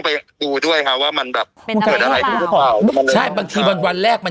ไปดูด้วยค่ะว่ามันแบบเป็นอะไรใช่บางทีวันวันแรกมัน